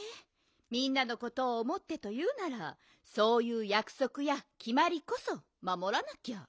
みんなのことをおもってというならそういうやくそくやきまりこそまもらなきゃ。